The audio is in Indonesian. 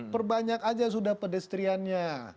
perbanyak aja sudah pedestriannya